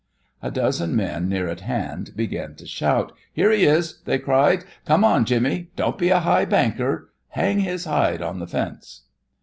A dozen men near at hand began to shout. "Here he is!" they cried. "Come on, Jimmy." "Don't be a high banker." "Hang his hide on the fence."